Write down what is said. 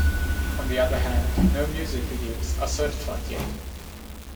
On the other hand, no music videos are certified yet.